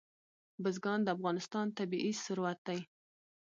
بزګان د افغانستان طبعي ثروت دی.